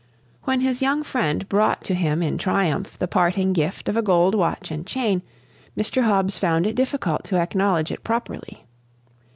When his young friend brought to him in triumph the parting gift of a gold watch and chain, Mr. Hobbs found it difficult to acknowledge it properly.